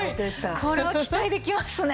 これは期待できますね。